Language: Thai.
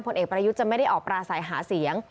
ผลเอกประยุทธ์จะไม่ได้ออกปราศัยหาเสียง